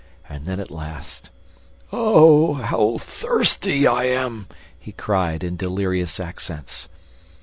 And then, at last: "Oh, how thirsty I am!" he cried, in delirious accents.